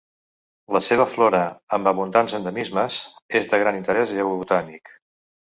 La seva flora, amb abundants endemismes, és de gran interès geobotànic.